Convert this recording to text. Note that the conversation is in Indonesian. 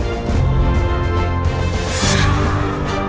dari zona sampah